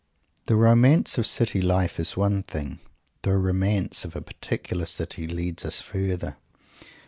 The romance of city life is one thing. The romance of a particular city leads us further.